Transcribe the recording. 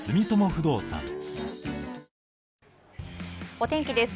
お天気です。